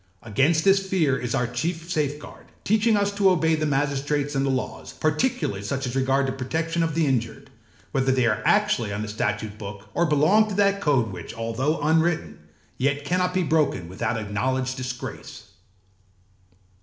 Against this fear is our chief safeguard, teaching us to obey the magistrates and the laws, particularly such as regard the protection of the injured, whether they are actually on the statute book, or belong to that code which, although unwritten, yet cannot be broken without acknowledged disgrace.